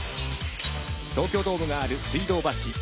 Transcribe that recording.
東京ドームがある水道橋。